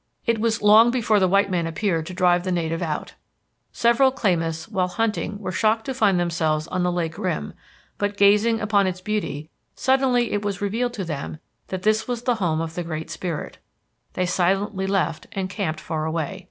It was "long before the white man appeared to drive the native out." Several Klamaths while hunting were shocked to find themselves on the lake rim, but, gazing upon its beauty, suddenly it was revealed to them that this was the home of the Great Spirit. They silently left and camped far away.